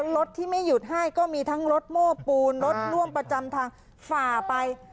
รถที่ไม่หยุดให้ก็มีทั้งรถโม้ปูนรถร่วมประจำทางฝ่าไป